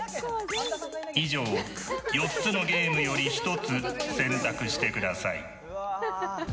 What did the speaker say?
以上、４つのゲームより１つ選択してください。